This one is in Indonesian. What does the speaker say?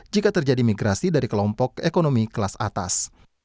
jika terjadi migrasi dari kelompok ekonomi kelas atas